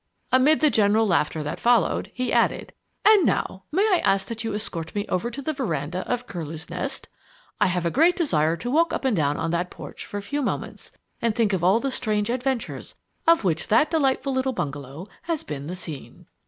Amid the general laughter that followed, he added: "And now, may I ask that you escort me over to the veranda of Curlew's Nest? I have a great desire to walk up and down on that porch for a few moments and think of all the strange adventures of which that delightful little bungalow has been the scene!"